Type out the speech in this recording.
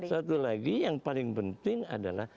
satu lagi yang paling penting adalah